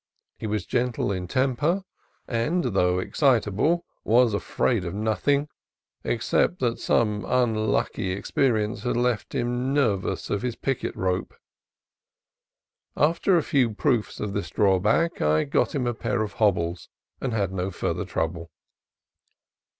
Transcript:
He was gentle in temper, and, though ex citable, was afraid of nothing, except that some unlucky experience had left him nervous of his picket rope. After a few proofs of this drawback I got him a pair of hobbles, and had no further trouble.